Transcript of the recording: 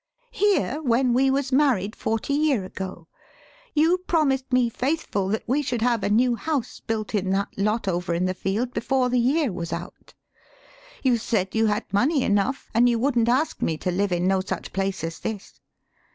Here, when we was married, forty year ago, you promised me faithful that we should have a new house built in that lot over in the field before the year was out. You said you had money enough, an' you wouldn't ask me to live in no such place as this.